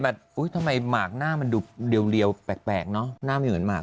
ทำไมหมากหน้ามันดูเรียวแปลกเนอะหน้าไม่เหมือนหมาก